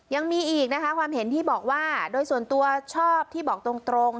ยังมีอีกนะคะความเห็นที่บอกว่าโดยส่วนตัวชอบที่บอกตรง